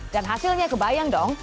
dan hasilnya kebayang dong